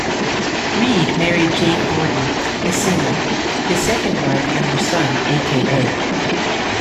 Reid married Jane Gordon, a singer, his second wife and their son, a.k.a.